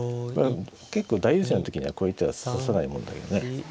結構大優勢の時にはこういう手は指さないもんだけどね。